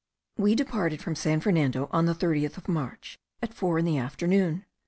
We departed from San Fernando on the 30th of March, at four in the afternoon.